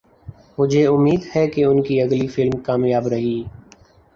مجھے امید ہے کہ ان کی اگلی فلم کامیاب رہی